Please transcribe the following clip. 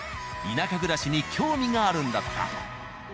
田舎暮らしに興味があるんだとか。